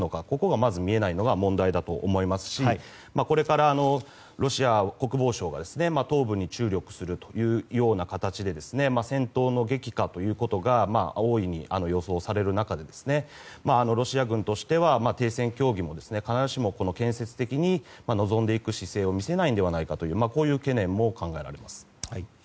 ここがまず見えないのが問題だと思いますしこれからロシア国防省が東部に注力するというような形で戦闘の激化ということが大いに予想される中でロシア軍としては停戦協議も必ずしも建設的に臨んでいく姿勢を見せないのではないかというこういう懸念も考えられます。